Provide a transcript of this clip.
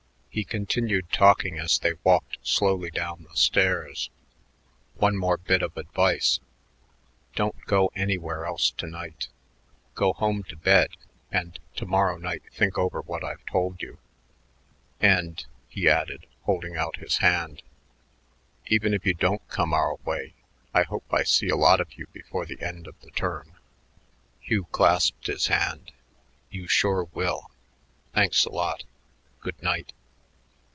He continued talking as they walked slowly down the stairs. "One more bit of advice. Don't go anywhere else to night. Go home to bed, and to morrow think over what I've told you. And," he added, holding out his hand, "even if you don't come our way, I hope I see a lot of you before the end of the term." Hugh clasped his hand. "You sure will. Thanks a lot. Good night."